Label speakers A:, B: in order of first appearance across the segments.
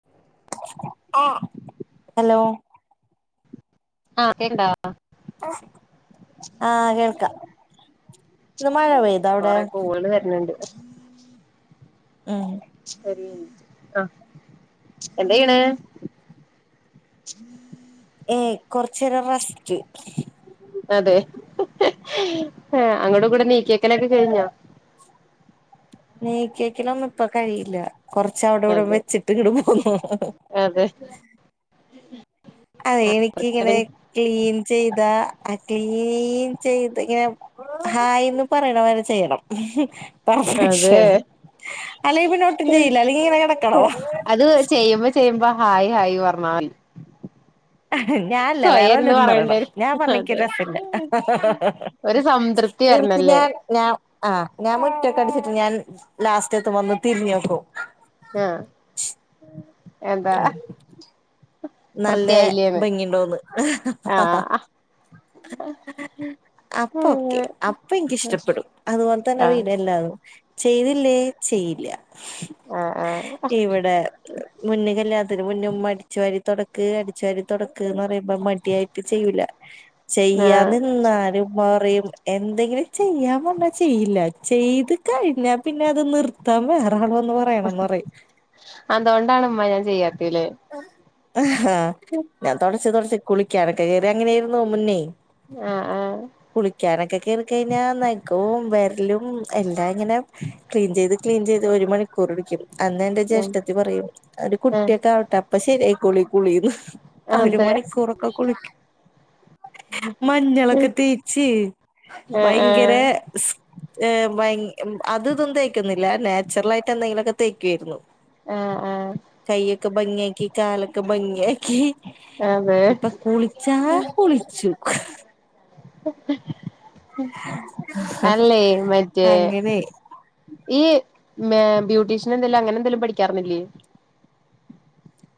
A: [inaudible]
B: Hello
A: ആകെണ്ട
B: ആ കേൾക്ക
A: ആ കൊറെ കോള് വര്ണ് ണ്ട്
B: ഉം
A: ശരി ആഹ് എന്തെയ്യ്ണ്
B: ഏ കൊർചേരം റസ്റ്റ്
A: അതെ അങ്ങട്ട് ഇങ്ങട്ടും നീക്കിയെക്കൊലൊക്കെ കഴിഞ്ഞോ
B: നീക്കെക്കലൊന്നും ഇപ്പ കഴിയില്ല കൊറച്ചവിടെ ഇവിടെ
A: അതെ
B: വെച്ചിട്ട് ഇങ്ങട്ട് പോന്നു
A: അതെ [inaudible]
B: അതെ എനിക്കിങ്ങനെ ക്ലീൻ ചെയ്താ ആ ക്ലീൻ ചെയ്ത് ഇങ്ങനെ ഹായ്ന്ന് പറയണ വരെ ചെയ്യണം
A: അതെ
B: പർഫെക്ഷൻ അല്ലെങ്കി പിന്നെ ഒട്ടും ചെയ്യില്ല അല്ലെങ്കി ഇങ്ങനെ കെടക്കണോ
A: അത് ചെയ്യുമ്പോ ചെയ്യുമ്പോ ഹായ് ഹായ് പറഞ്ഞാൽ
B: ഞാനല്ല വേറെ വല്ലരും പറയണം
A: പറയണ്ടേരും
B: ഞാൻ പറഞ്ഞിക്കരു
A: അതെ
B: രസല്ല
A: ഒരു സംതൃപ്തി
B: എനിക്ക്
A: വരണല്ലേ
B: ഞാൻ ഞാൻ ആഹ് ഞാൻ മുറ്റക്കെ അടിച്ചിട്ട് ഞാൻ ലാസ്റ്റതുമ്പോ വന്ന് തിരിഞ് നോക്കും
A: ആഹ് എന്താ
B: നല്ല
A: വൃത്തിയായില്ലേന്ന്
B: ഭംഗിണ്ടോന്ന്
A: ആഹ്
B: അപ്പൊ ഒക്കെ
A: അങ്ങനെ
B: അപ്പ എനിക്കിഷ്ടപ്പെടും അതുപോലെ തന്നെ
A: ആഹ്
B: വിഡിയോ എല്ലാതും ചെയ്തില്ലേ ചെയ്യില്ല
A: ആഹ് ആഹ്
B: ഇവിടെ മുന്ന് കല്യാണത്തിന് മുന്നേഉമ്മ അടിച്ചു വാരി തുടക്ക് അടിച്ചാരി തുടക്ക് ന്ന് പറയുമ്പോ മടിയായിട്ട് ചെയ്യൂല
A: ആഹ്
B: ചെയ്യാന്നി നിന്നാലും പറയും എന്തെങ്കിലും ചെയ്യാം പറ് ഞ്ഞാ ചെയ്യില്ല ചെയ്ത് കയ്ഞ്ഞാ പിന്നെ അത് നിർ ത്താൻ വേറാള് വന്ന് പറയണന്ന റിം
A: അതോണ്ടാണ് മ്മ ഞാൻ ചെയ്യാത്തേ ലെ
B: ആഹ് ഞാൻ തൊടച്ച് തൊട്ച്ച് കുളിക്കാനൊക്കെ കേറിയ അങ്ങനൊയിരുന്നു മുന്നേ
A: ആഹ് ആഹ്
B: കുളിക്കാനൊക്കെ കേറിക്കയ്ഞ്ഞാ നഖോം വെര്ലും എല്ലാം ഇങ്ങനെ ക്ലീൻ ചെയ്ത് ക്ലീൻ ചെയ്ത് ഒരു മണിക്കൂർടിക്കും അന്ന് എന്റെ
A: ആഹ്
B: ജ്യേഷ്ഠത്തി പറയും ഒരു
A: ആഹ്
B: കുട്ടിയൊക്കെ ആവട്ടെ അപ്പ ശരിയായിക്കോളും ഈ കുളീന്ന്
A: ആഹ്
B: ഒരു
A: അതെ
B: മണിക്കൂറൊക്കെ കുളിക്കും മഞ്ഞളൊക്കെ തേച്ച്
A: ആഹ്
B: ഭയങ്കര
A: ആഹ്
B: സ് ത് ബയ് അത് തൊന്നും തേക്ക്ന്നില്ല നാച്ചുറലായിട്ട് എന്തെങ്കിലൊക്കെ തേക്കൊയ്ര്ന്നു
A: ആഹ് ആഹ്
B: കയ്യൊക്കെ ഭംഗിയാക്കി കാലൊക്കെ ഭംഗിയാക്കി
A: അതെ
B: ഇപ്പ കുളിച്ചാ കുളിച്ചു
A: [unintelligible] അല്ലേ മറ്റേ
B: അങ്ങനേയ്
A: ഈ മെ ബ്യൂട്ടീഷ്യൻ എന്തേലും അങ്ങനെ എന്തെലും പഠിക്കാറ്ന്നില്ലേ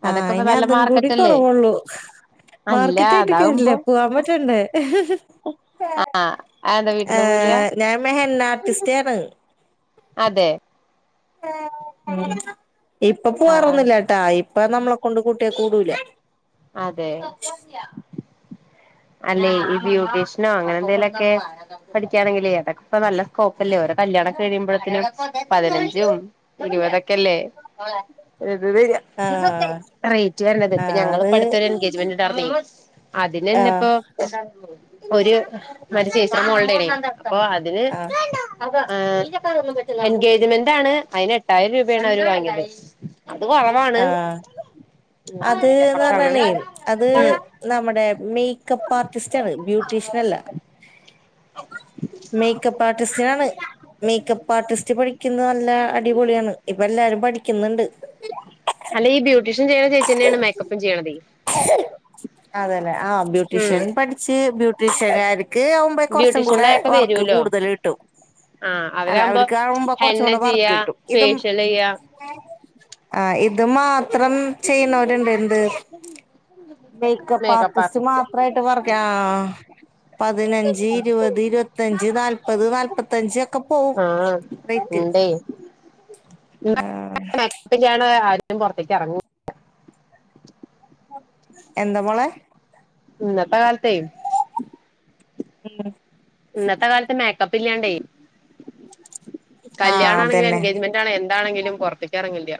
B: ആഹ്
A: ഇപ്പ നല്ല
B: അയ്ഞതും കൂടി
A: മാർക്കറ്റ് അല്ലേ
B: കൊറവൊള്ളൂ
A: അല്ല
B: മാർക്കറ്റ് ആയിട്ട്
A: അതാവുമ്പോ
B: കാര്യല്ല. പോവാം പറ്റണ്ടേ
A: ആഹ് ആഹ് ന്താ വീട്ടീന്ന് പോല്ല്യ
B: ഞാ മെ ഹെന്ന ആർട്ടിസ്റ്റാണ്
A: അതെ
B: ഇപ്പൊ
A: ആഹ് ആഹ്
B: പോവാറൊന്നുല്ല ട്ടാ ഇപ്പ നമ്മളെ കൊണ്ട് കൂട്ടിയ കൂടൂല
A: അതെ അല്ലെ ഇ ബ്യൂട്ടീഷ്നോ അങ്ങനെ എന്തെലൊക്കെ പഠിക്ക്യാണെങ്കില് അതൊക്കെപ്പ നല്ല സ്കോപ്പല്ലേ ഓരോ കല്യാണക്കെ കഴിയുമ്പോഴ്ത്തിനും പതിനഞ്ചും ഇരുപതൊക്കെല്ലേ
B: ആഹ്
A: [unintelligible] റേറ്റ് വര്ണത് ഇപ്പ
B: ആഹ്
A: ഞങ്ങള്
B: അത്
A: എൻഗജ്മെന്റ് ണ്ടാർന്നെ
B: ആഹ്
A: അതിനെന്നെപ്പോ ഒര് [unintelligible] ചേച്ചിടെ മോൾടെ ആണേ അപ്പൊ അതിന്
B: ആഹ്
A: ഏഹ് എൻഗേജ്മെന്റ് ആണ് അയ് ന് എട്ടായിരം രൂപേണ് അവര് വാങ്ങി യത് അത് കൊറവാണ്
B: ആഹ്
A: ഉം പക്ഷെ അങ്ങനെ ഉം
B: നമ്മ്ടെ മേക്കപ്പ് ആർട്ടിസ്റ്റാണ് ബ്യൂട്ടീഷ്യൻ അല്ല മേക്കപ്പാർട്ടിസ്റ്റ്നാണ് മേക്കപ്പ് ആർട്ടിസ്റ്റ് പഠിക്ക്ന്നെ നല്ല അടിപൊളിയാണ് ഇപ്പ എല്ലാരും പഠിക്ക്ന്ന്ണ്ട്
A: അല്ല ഈ ബ്യൂട്ടീഷ്യൻ ചെയ്യ്ണ ചേ
B: അതെ ലെ ആഹ്
A: ഉം
B: ബ്യൂട്ടീഷ്യൻ പട്‌ച്ച് ബ്യൂ ട്ട് ചെലേർക്ക് ആവ്മ്പേയ് കൊറ്ച്ചും കൂടെ
A: ബ്യൂട്ടീഷ്യനിലൊക്കെ
B: വർക്ക്
A: വരൂലോ
B: കൂടുതൽ കിട്ടും
A: ആഹ്
B: അല്ല
A: അവരാകുമ്പോ
B: അവര് ക്കാവുമ്പോ
A: ഹെന്ന
B: കൊറ്ച്ചൂടെ
A: ചെയ്യാ
B: വർക്കിട്ടും ഇതും
A: ഫേഷ്യൽ ചെയ്യാ
B: ആഹ് ഇത് മാത്രം ചെയ്യുന്നോര്ണ്ട് എന്ത്
A: ഉ
B: മേക്കപ്പ് ആർട്ടിസ്റ്റ് മാത്രായിട്ട് വർ കെ ആഹ് പതിനഞ്ച് ഇര്പത് ഇര് പ ത്തഞ്ച് നാല്പത് നാല്പത്തഞ്ച് ഒക്കെ പോവും
A: ഉം ണ്ടെ
B: ആഹ്
A: പ്പ്ല്ല്യാടെ ആരേലും പൊറ്ത്തേക്ക് എറ ങ്ങൂ
B: എന്ത മോളെ
A: ഇന്നത്തെ കാലത്തേ
B: ഉം
A: ഇന്നത്തെ കാലത്ത് മേക്കപ്പ് ഇല്ലാണ്ടേ
B: ആ
A: കല്യാണാണെങ്കിലും
B: അതന്നെ
A: എൻഗേജ്മെന്റ് ആണെ എന്താണെങ്കിലും പൊറ്ത്ത്ക്ക് എറങ്ങില്ല്യാ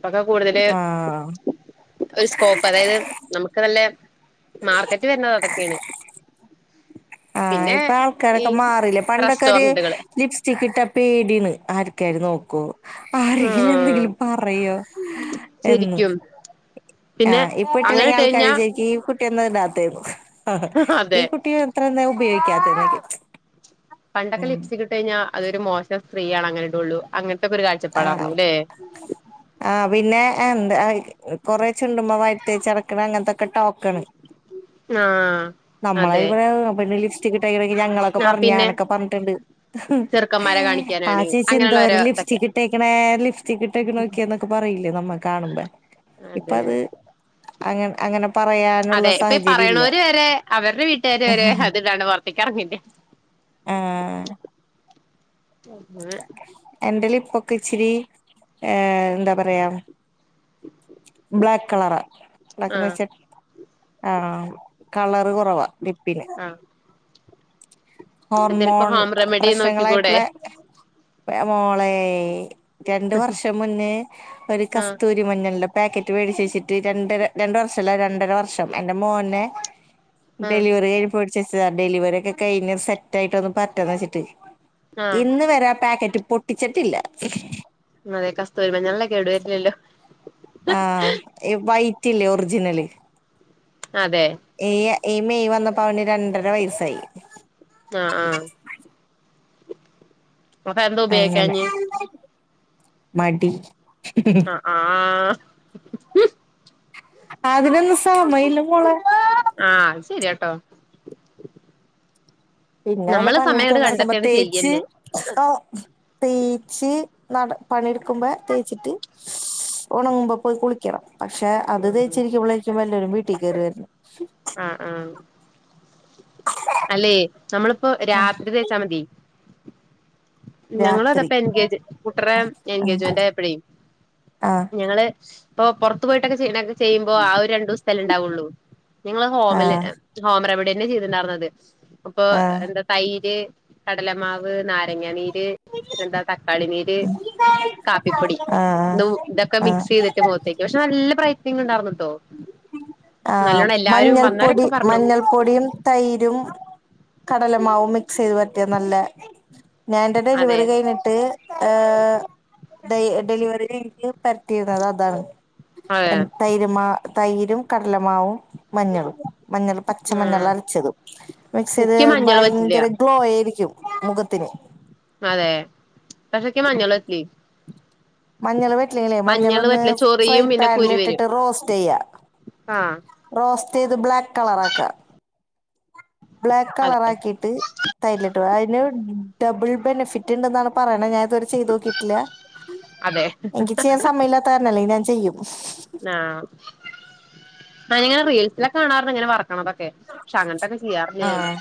A: പ്പൊക്കെ കൂടുതല്
B: ആ
A: ഒരു സ്കോപ്പ് അതായത് നമുക്ക് നല്ലെ മാർക്കറ്റ് വരന്നത് അതൊക്കെയാണ്
B: ആഹ്
A: പിന്നെ
B: ഇപ്പൊ
A: ഈ
B: ആൾക്കാരൊക്കെ മാറിലെ പണ്ടൊക്കെ ഒരു
A: റെസ്റ്റോറന്റുകള്
B: ലിപ്‌സി ക്ക് ഇട്ട പേടീണ് ആർക്കാര് നോക്കോ ആരെങ്കിലും
A: ആഹ്
B: എന്തെങ്കിലും പറയോ എന്ന്
A: ശരിക്കും പിന്നെ
B: ആഹ് ഇപ്പ
A: അങ്ങനെ
B: ഇട്ടില്ലെങ്കിൽ
A: ഇട്ട്
B: ആൾക്കാര്
A: കഴിഞ്ഞാ
B: ചോയിക്കും ഈ കു ട്ടി എന്നടാത്തെന്ന് ഈ
A: അതെ
B: കുട്ടി മാത്രംഎന്ത ഉപയോഗിക്കാത്തന്നൊക്കെ
A: പണ്ടൊക്കെ ലിപ്സിറ്റിക്കിട്ടഴിഞ്ഞ അതൊരു മോശംസ്ത്രീയാണ് അങ്ങനേടുള്ളു അങ്ങനെ ഒരു
B: ആഹ്
A: കാഴ്ചപ്പാടാർന്നുല്ലേ
B: ആഹ് പിന്നെ എന്താ കൊറെ ചുണ്ടുമ്മേ വാരിത്തേച്ചിടക്കണ അങ്ങനത്തൊക്കെ ടോക്കണ്
A: ആഹ്
B: നമ്മള
A: അതെ
B: പറയാ പിന്നെ ലിപ് റ്റികിട്ടെങ്കിൽ ഞങ്ങളൊക്കെ
A: ആഹ്
B: പറഞ്ഞാ
A: പിന്നെ
B: നാനൊക്കെ പറഞ്ഞട്ടുണ്ട്
A: ചെറുക്കന്മാരെ
B: ആഹ്
A: കാണിക്കാനാണ്
B: ചേച്ചി
A: അങ്ങനെയുള്ള ഓരോ
B: എന്തോരം
A: ഇതൊക്കെ
B: ലിപ്സ്റ്റിക് ഇട്ടക്കണ ലിഫ്റ്റിക് ഇട്ടക്കെ നോക്കിയന്നൊക്കെ പറയില്ലേ നമ്മൾ കാണുമ്പോ ഇപ്പ
A: അതെ
B: അത് അങ്ങെനെ അങ്ങനെ പറയാ
A: അതെ ഇപ്പൊ ഈ പറയണവര് വരെ അവരുടെ വീട്ടുകാര് വരെ അത്ടാണ്ട് പൊർത്തേക്ക് ഇറങ്ങീല
B: ആഹ്
A: അങ്ങനെ
B: എന്റെ ലിപൊക്ക ഇച്ചിരി ഏഹ് എന്താ പറയാ ബ്ലാക്ക് കളറ ബ്ലാക്ക്
A: ആഹ്
B: വച്ച ആഹ് കളറ് കുറവാ ലിപിന്
A: ആഹ് എന്തേലൊക്കെ
B: ഹോർമോൺ
A: ഹോം റെമഡി നോക്കിക്കൂടെ
B: പ്രശ്നങ്ങളായിപ്പോളെ മോളെ രണ്ട് വർഷം മുന്നേ ഒരു
A: ആഹ്
B: കസ്തൂരി മഞ്ഞൾന്റെ പാക്കറ്റ് മേടിച്ച വച്ചിട്ട് രണ്ടര രണ്ട് വർഷല്ല രണ്ടര വർഷം എന്റെ മോനെ
A: ആഹ്
B: ഡെലിവറി കഴിഞ്ഞു പൊടിച്ചെച്ചതാ ഡെലിവറി ഒക്കെ കഴിഞ്ഞ സെറ്റ് ആയിട്ടൊന്ന് പറ്റാന്ന് വെച്ചിട്ട്
A: ആഹ്
B: ഇന്ന് വരാ പാക്കറ്റ് പൊട്ടിച്ചിട്ടില്ല
A: അതെ കസ്തൂരിമഞ്ഞളിന് കേട് വരില്ലല്ലോ
B: ആഹ് വൈറ്റ് ഇല്ലേ ഒറിജിനല്
A: അതെ
B: ഈ ഈ മെയ് വന്നപ്പോ അവന് രണ്ടര വയസായി
A: ആഹ് ആഹ് അപ്പൊ എന്താ
B: അങ്ങനെ
A: ഉപയോഗിക്കാഞ്ഞ്
B: മടി
A: ആഹ് ആഹ്
B: അതിനൊന്നും സമയല്ല മോള
A: ആഹ് ശരിയാട്ടോ
B: പിന്നെ വല്ല
A: നമ്മള്
B: പണി
A: സമയങ്ങട്
B: എടുത്തൊണ്ടടക്കുമ്പോ
A: കണ്ടെത്തിയങ്ങട്
B: തേച്ച്
A: ചെയ്യന്നെ
B: ഓഹ് തേച്ച് നട പണെടുക്കുമ്പോ തേച്ചിട്ട് ഉണങ്ങുമ്പോ പോയി കുളിക് ക്ക്ണം പക്ഷെ അത് തേച്ചിരിക്കുമ്പോളാരിക്കും വല്ലരും വീട്ടിൽ കയറിരുന്നെ
A: ആഹ് ആഹ് അല്ലേ നമ്മളപ്പൊ രാത്രി തേച്ചാ മതി ഞങ്ങള
B: രാത്രി
A: അതപ്പ എൻഗേജ് കുട്ടറ
B: ആഹ്
A: എൻഗേജ്മെന്റ് ആയപ്പഴെ
B: ആഹ്
A: ഞങ്ങള് ഇപ്പൊ പുറത്തു പോയിട്ടൊക്കെ ചെയണക്കെ ചെയ്യുമ്പോ ആ ഒരു രണ്ടുസലേ ഉണ്ടാവുള്ളൂ നിങ്ങള് ഹോമില്
B: ആഹ്
A: ഹോം റെമഡി തന്നെ ചെയ്തിട്ടണ്ടായിരുന്നത് അപ്പൊ എന്താ തൈര് കടലമാവ് നാരങ്ങ നീര് പിന്നെന്താ തക്കാളി നീര് കാപ്പിപ്പൊടി
B: ആഹ് ആഹ്
A: ഇതൊക്കെ
B: ആഹ്
A: മിക്സ് ചെയ്തിട്ട് ട്ട് മുഖത്തേക്ക് പക്ഷെ നല്ല ബ്രയിറ്റനിങ് ഉണ്ടായിർന്നട്ടോ
B: ആഹ് മഞ്ഞൾപ്പൊടി
A: പറഞ്ഞു
B: മഞ്ഞൾ പ്പൊടിയും തൈരും കടലമാവവും മിക്സ് ചെയ്ത് പരട്ടിയ നല്ല ഞാനെന്റെ
A: അതെ
B: ഡെലിവറി കഴിഞ്ഞിട്ട് ഏഹ് ഡെ ഡെലിവറി കഴിഞ്ഞിട്ട് പരട്ടിയത് അതാണ്
A: അതെ
B: എ തൈര്മാ തൈരും കടലമാവും മഞ്ഞളും മഞ്ഞൾ പച്ച
A: ആ
B: മഞ്ഞളരച്ചതും മിക്സ് ചെയ്താ
A: എനിക്ക് മഞ്ഞള് പറ്റില്ല
B: ഭയങ്കര ഗ്ലോ ആയിരിക്കും മുഖത്തിന്
A: അതെ പക്ഷേക്ക് മഞ്ഞള് [unintelligible]
B: മഞ്ഞള് പറ്റില്ലേലെ
A: മഞ്ഞള്
B: മഞ്ഞളോന്ന്
A: പറ്റില്ല
B: ഫ്രൈ
A: ചൊറിയും പിന്നെ കുരു വരും
B: പാനിലിട്ടിട്ട് റോസ്റ്റെയ്യാ
A: ആഹ്
B: റോസ്റ്റൈയ്ത് ബ്ലാക്ക് കളറാക്കാ ബ്ലാക്ക്
A: അതെ
B: കളറാക്കീട്ട് തൈരിലിട്ട് അതിന് ഡബിൾ ബെനിഫിറ്റ് ഉണ്ടെന്നാണ് പറയണേ ഞാൻ ഇതുവരെ ചെയ്തോക്കിട്ടില്ല
A: അതെ
B: എനിക്ക് ചെയ്യാൻ സമയല്ലാത്ത കരണാ ല്ലേൽ ഞാൻ ചെയ്യും
A: ആഹ് ഞാനിങ്ങനെ റീൽസിലൊക്കെ കാണാറുണ്ട് ഇങ്ങനെ വർ ണതൊക്കെ പക്ഷെ അങ്ങൻത്തോക്കെ ചെയ്യാറില്ല ഞാന്
B: ആഹ്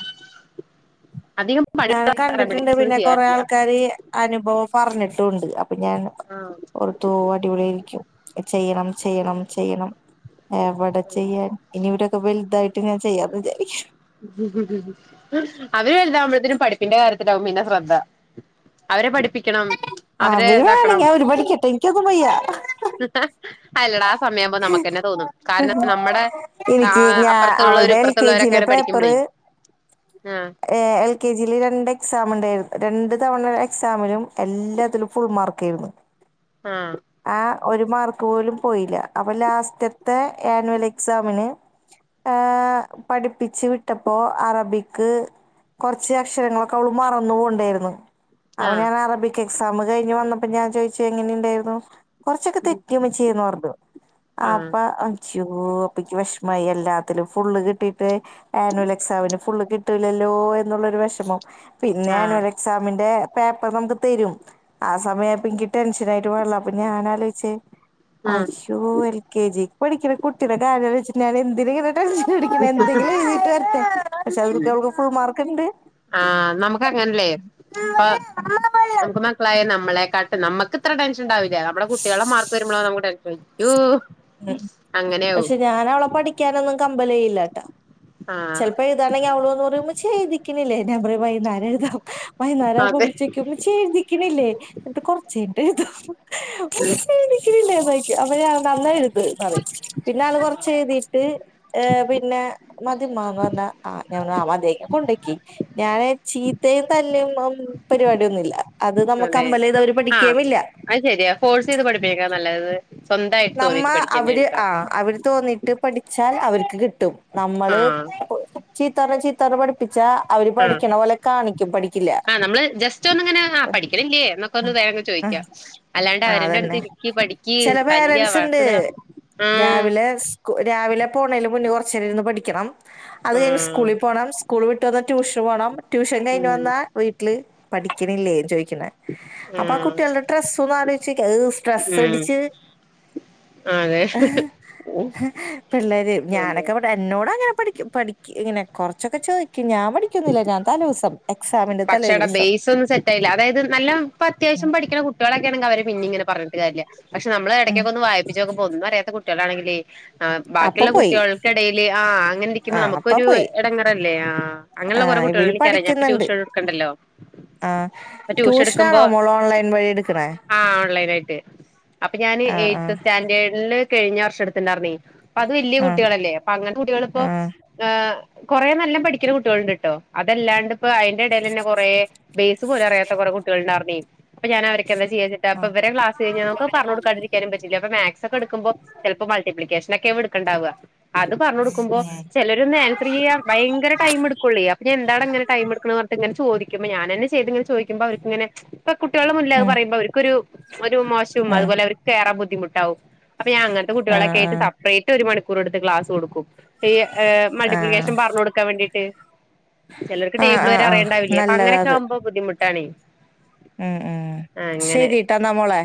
A: അധികം
B: ഞാൻ
A: പഴയ
B: കണ്ടിട്ടുണ്ട്
A: റെമഡീസ് ഒന്നും
B: പിന്നെ കൊറെ
A: ചെയ്യാറില്ല
B: ആൾക്കാര് അനുഭവം പറഞ്ഞിട്ടുംണ്ട് അപ്പൊ ഞാൻ
A: ആഹ്
B: പുറത്തുപോവാ അടിപൊളിയായിരിക്കും ചെയ്യണം ചെയ്യണം ചെയ്യണം എവടെ ചെയ്യാൻ ഇനി ഇവരൊക്കെ വൽതായിട്ട് ഞാൻ ചെയ്യാന്ന് വിചാരിക്കിണ്
A: അവര് വലുതാവുമ്പഴ്തേനും പഠിപ്പിന്റെ കാര്യത്തിലാകും പിന്നെ ശ്രദ്ധ അവരെ പഠിപ്പിക്കണം അവരെ
B: അവര്
A: ഇതാക്കണം
B: വേണങ്കി അവര് പടിക്കട്ടെ എനിക്കൊന്നും വയ്യ
A: അല്ലടാ ആ സമയം ആവുംമ്പോ നമുക്കെന്നെ തോന്നും കാരണം നമ്മുടെ അപ്പറത്തുല്ലോരും ഇപ്പുറത്തുള്ളോരൊക്കെെ പഠ
B: കൊറേ എൽ കെ ജില് രണ്ട് എക്സാം ഉണ്ടെരുന്നു രണ്ട് തവണ എക്സാമിലും എല്ലാത്തിലും ഫുൾ മാർക്കേരുന്നു
A: ആഹ്
B: ആഹ് ഒരു മാർക്ക് പോലും പോയില്ല അപ്പൊ ലാസ്റ്റത്തെ ആനുവൽ എക്സാമിന് ആഹ് പഠിപ്പിച്ച് വിട്ടപ്പോ അറബിക്ക് കുറച്ച് അക്ഷരങ്ങളൊക്കെ അവള് മറന്നു പോണ്ടെരുന്നു അവ
A: ആഹ്
B: ഞാനാ അറബിക് എക്സാം കഴിഞ്ഞ് വന്നപ്പോ ഞാൻ ചോയ്ച്ചു എങ്ങനെണ്ടേരുന്നു കുറച്ചൊക്കെ തെറ്റി മ്മച്ചിയെ പറഞ്ഞു
A: ആഹ്
B: അപ്പോ അയ്ച്യോ അപ്പക്ക് വിഷമമായി എല്ലാത്തിലും ഫുള്ള് കിട്ടിട്ട് ട്ട് ആനുവലെക്സാമിന് ഫുള് കിട്ടൂലാല്ലോ എന്നുള്ളോരു വെഷമം പിന്നെ
A: ആഹ്
B: ആനുവല് എക്സാമിന്റെ പേപ്പർ നമുക്ക് തരും ആ സമയായൊപ്പോ എനിക്ക് ടെൻഷനായിട്ട് പാടില്ല അപ്പൊ ഞാൻ ആലോയ്ച്ചേ
A: ആഹ്
B: അജ്ജോ എൽ കെ ജിക്ക് പഠിക്കുന്ന കുട്ടിടെ കാര്യ വെച്ചിട്ട് ഞാനെന്തിനാങ്ങനെ ടെൻഷൻ അടിക്കണേ എന്തേങ്കിലും എഴുതിയിട്ട് വരട്ടെ പക്ഷെ അതിൽ
A: ഉം
B: അവൾക്ക് ഫുൾ മാർക്കുണ്ട്
A: ആഹ് നമക്ക് അങ്ങനെയല്ലേ പ്പോ നമുക്ക് ലയ നമ്മളെ കാട്ട് നമക്ക്ത്ര ടെൻഷൻ ഉണ്ടാവൂല്ല നമ്മുടെ കുട്ട്യാളെ മാർക്ക് വരുമ്പോള നമുക്ക് ടെൻഷൻ യൊ
B: ഉ പക്ഷെ ഞാൻ അവളെ പഠിക്കാനൊന്നും കമ്പലേയ്യില്ലാട്ടാ
A: ആഹ്
B: ചെലപ്പോ എയ്താണ്ടെങ്കി അവള് വന്ന് പറയും മ്മച്ചിയേ എയ്തിക്കുന്നില്ലേ ഞാൻ പറയും വൈന്നേരം എഴുതാ വൈന്നരാവുമ്പോ
A: അതെ
B: പിടിച്ച് മ്മച്ചിയെ എഴുതിക്കിണില്ലേ നമ്മക്ക് കുറച്ചു കഴിഞ്ഞിട്ട് എഴുതാം [inaudible]
A: ഉം
B: ക്കിനില്ലേ ന്നോയ്ക്കും അവര് നന്നായി എഴു ത് പറയും പിന്നെ ആൾ കൊറച്ച് എഴുതിട്ട് ഏ പിന്നെ മതിമ്മാ പറഞ്ഞാ ആ ഞാൻ പറഞ്ഞ മതിയെങ്കി കൊണ്ടെക്കി ഞാൻ ചീത്തയും തല്ല് തല്ല് പരിപാടിയൊന്നുമില്ല അത് നമ്മള്
A: അതെ
B: കമ്പല്ല് ചെയ്താൽ അവരെ
A: ആഹ്
B: പഠിക്കുകയും ഇല്ല
A: അത് ശരിയാ ഫോഴ്സ് ചെയ്ത് പഠിപ്പിക്കേക്കാ നല്ലത് സ്വന്തമായിട്ട് തോന്നീട്ട് പഠിക്കന്നേ കേട്ടോ
B: അവർക്ക് തോന്നിട്ട് പഠിച്ചാൽ അവർക്ക് കിട്ടും നമ്മള്
A: ആഹ്
B: ചീത്ത പറഞ്ഞ ചീ ചീത്തർഞ്ഞ് പഠിപ്പിച്ചാ അവര്
A: ആഹ്
B: പഠിക്കണ പോലെ കാണിക്കും പഠിക്കില്ല
A: ആഹ് ന്ന് വേഗം
B: ആ
A: ചോയ്ക്കാം അല്ലാണ്ട് അവര്ന്റെ അടുത്ത് ഇരിക്കി പഠിക്ക് തല്ല്ക
B: പേരന്റ്സ് ണ്ട്
A: വഴക്കിടുക ആഹ്
B: രാവിലെ സ് രാവിലെ പോണേന് മുന്നേ കുറച്ചേരിരുന്ന് പഠിക്കണം അത് കയിഞ്ഞു സ്
A: ആഹ്
B: സ്കൂളിൽ പോണം സ്കൂൾ വിട്ട് വന്ന ട്യൂഷൻ പോകണം ട്യൂഷൻ കഴിഞ്ഞു
A: ഉം
B: വന്ന വീട്ടില് പഠിക്ക്ണില്ലേ ചോയ്ക്ക്ണ്. അപ്പ ആ
A: ആഹ്
B: കുട്ടിയള്ടെ ട്രസ്സൊന്നാലോയ് ചോക്കിയ ഏ് സ്ട്രെസ്സ്
A: ഉം
B: അടിച്ച്
A: അതെ
B: [unintelligible] പിള്ളേര്
A: അതെ
B: ഞാനൊക്കെവടെ ന്നോട അങ്ങനെ പഠിക്ക് പഠിക്ക്ങ്ങനെ കുറച്ചൊക്കെ ചോയ്ക്കും ഞാൻ പഠിക്കൊന്നില്ല ഞാൻ തലേദിവസം എക്സാമ്ന്റെ
A: പക്ഷെ അവിടെ
B: തലേദിവസം
A: ബേസ് ഒന്നും സെറ്റ് അതായത് നല്ല പ്പത്യാവശ്യം പഠിക്ക്ണ കുട്ടിയളൊക്കെണെങ്കി അവരെ പിന്നിം ഇങ്ങനെ പറഞ്ഞിട്ട് കാര്യമില്ല പക്ഷെ നമ്മൾ
B: ഉം
A: ഇടക്കൊക്കെ ഒന്ന് വായിപ്പിച്ചോക്കുമ്പോ ഒന്നും അറിയാത്ത കുട്ടിയളാണെങ്കിലേ ആ
B: അപ്പൊ
A: ബാക്കിയുള്ള
B: പോയി
A: കുട്ടിയൾക്കെടെയിൽ ആഹ് അങ്ങനെ
B: ആ
A: ഇരിക്കുമ്പോ
B: അപ്പൊ
A: നമുക്കൊരു
B: പോയി
A: ഇടങ്ങറല്ലേ ആഹ്
B: ആ
A: അങ്ങനെള്ള കൊറെ കുട്ടികളെ
B: ഇവര്
A: എനിക്കറിയാം ഞാനിപ്പോൾ
B: പഠിക്കുന്നുണ്ട്
A: ട്യൂഷൻ എടുക്കുന്നുണ്ടല്ലോ
B: ആ
A: ഇപ്പോൾ ട്യൂഷൻ
B: ട്യൂഷനാണോ
A: എടുക്കുമ്പോൾ
B: മോള് ഓൺലൈൻ വഴി എടുക്കണേ
A: ആഹ് ഓൺലൈനായിട്ട് അപ്പോൾ ഞാൻ ഈ
B: ആ ആ
A: എട്ട് സ്റ്റാൻഡേർഡിൽ കഴിഞ്ഞ വർഷ ഇട്ത്ത്ണ്ടാര്ന്നേ അപ്പ അത് വല്യ
B: ആ
A: കുട്ടിയളല്ലേ അപ്പ അങ്ങനെ കുട്ടിയളിപ്പൊ
B: ആ
A: ആഹ് കൊറെ നല്ല പഠിക്ക്ന്ന കുട്ടിയള്ണ്ട്ട്ടോ അതല്ലാണ്ട്പ്പോ അയ്ന്റെഡെലെന്നെ കൊറെ വേ അതുപോലും അറിയാത്ത കൊറേ കുട്ടികൾണ്ടായിര്ന്നേ അപ്പ ഞാൻ അവർക്കെന്താ ചെയ്യാ
B: ആ
A: ചെയ്തപ്പോ വരെ ക്ലാസ് കഴിഞ്ഞാ നമക്ക്‌ പറഞ്ഞോട്ക്കാതിരിക്കാനും പറ്റില്ല അപ്പ മാത്സ് ഒക്ക എടുക്കുമ്പോ ചെലപ്പോ മൾട്ടിപ്ലിക്കേഷൻ ഒക്കെ ആവും ഇടുക്ണ്ടാവ അത് പറഞ്ഞോട്ക്കുമ്പോ
B: ഉം
A: ചെലരോന്നും ആൻസർ ചെയ്യാൻ ഭയങ്കര ടൈം എടുക്കുള്ളേ അപ്പ ന്താടാ ഇങ്ങനെ ടൈം എടുക്കണ ട്ട് ങ്ങനെ ചോദിക്കുമ്പോ ഞാനെന്നെ ങ്ങനെ ചോദിക്കുമ്പോൾ അവർക്ക് ങ്ങനെ ഇപ്പൊ കുട്ടിയളെ മുന്നില് അത്
B: ഉം
A: പറയുമ്പോ അവർക്കൊരു ഒരു മോശും
B: ഉം, ആ
A: അതുപോലെ അവർ കേറാൻ ബുദ്ധിമുട്ടാവും അപ്പ ഞാ അങ്ങനത്തെ
B: ആ
A: കുട്ടികളക്കായിട്ട് സപ്രേറ്റ് ഒരു മണിക്കൂർടുത്ത്ക്ലാസ്ടുക്കും. ഏഹ്
B: ആ
A: മൾട്ടിപ്ലിക്കേഷൻ പർഞ്ഞോട്ക്കാൻ വേണ്ടിട്ട് ചെലർക്ക്
B: ആ
A: ടേബിൾ
B: ആ ആ
A: അറയണ്ടാവില്ല പ്പ അങ്ങനൊക്കാ
B: നല്ലതാത്
A: വുമ്പോ ബുദ്ധിമുട്ടാണെ
B: ഉം ഉം
A: അങ്ങനെ
B: ശരിട്ടാ എന്നാ മോളെ